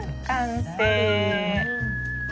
完成。